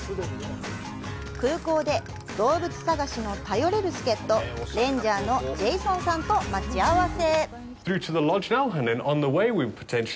空港で、動物探しの頼れる助っ人レンジャーのジェイソンさんと待ち合わせ。